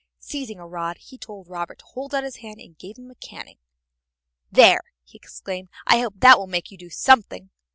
Seizing a rod he told Robert to hold out his hand, and gave him a caning. "There!" he exclaimed, "I hope that will make you do something."